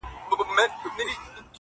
دکرنتین درخصتی څخه په استفاده.!